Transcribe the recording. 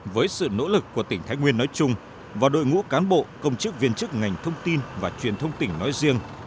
với sự nỗ lực của tỉnh thái nguyên nói chung và đội ngũ cán bộ công chức viên chức ngành thông tin và truyền thông tỉnh nói riêng